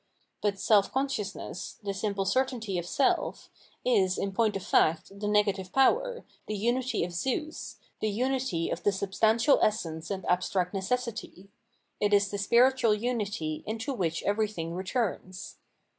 But self con sciousness, the simple certainty of self, is in point of fact the negative power, the unity of Zeus, the unity of the substantial essence and abstract necessity; it is the spiritual unity into which everything returns.